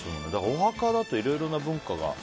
お墓だといろいろな文化が。